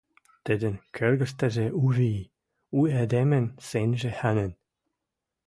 Тӹдӹн кӧргӹштӹжӹ у ви, у эдемӹн сӹнжӹ ханен.